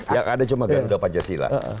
yang ada cuma garuda pancasila